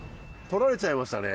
取られちゃいましたね